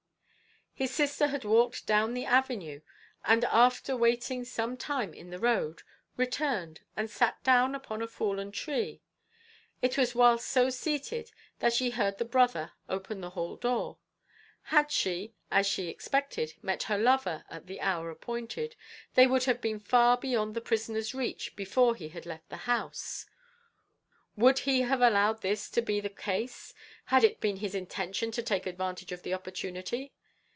His sister had walked down the avenue, and after waiting some time in the road, returned and sat down upon a fallen tree; it was whilst so seated that she heard the brother open the hall door; had she, as she expected, met her lover at the hour appointed, they would have been far beyond the prisoner's reach before he had left the house; would he have allowed this to be the case, had it been his intention to take advantage of the opportunity?